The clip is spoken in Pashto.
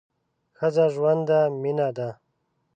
ښځه ژوند ده ، مینه ده